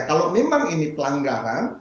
kalau memang ini pelanggaran